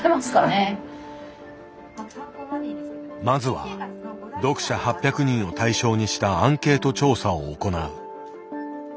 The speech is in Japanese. まずは読者８００人を対象にしたアンケート調査を行う。